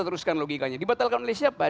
teruskan logikanya dibatalkan oleh siapa